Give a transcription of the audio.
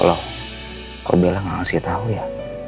allah kau bilang ngasih tau ya